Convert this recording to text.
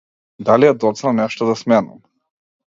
Дали е доцна нешто да сменам?